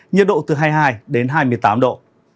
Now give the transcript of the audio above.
nhiệt độ từ hai mươi hai đến hai mươi tám độ